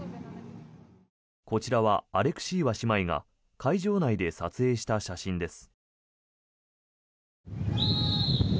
こちらはアレクシーワ姉妹が会場内で撮影した写真です。